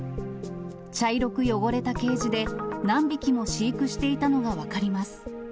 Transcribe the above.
茶色く汚れたケージで、何匹も飼育していたのが分かります。